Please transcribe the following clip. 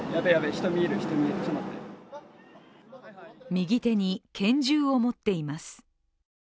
右手に拳銃を持っています。